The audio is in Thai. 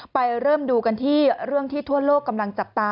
ไปเริ่มดูกันที่เรื่องที่ทั่วโลกกำลังจับตา